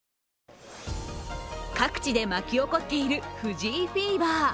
各地で巻き起こっている藤井フィーバー。